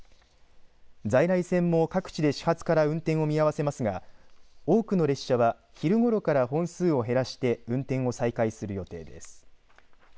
在来線も各地で始発から運転を見合わせますが多くの列車は昼ごろから本数を減らして運転を再開する予定です。